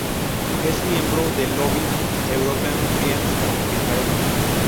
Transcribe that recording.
Es miembro del lobby European Friends of Israel.